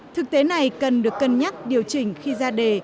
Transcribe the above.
thực tế này cần được cân nhắc điều chỉnh khi ra đề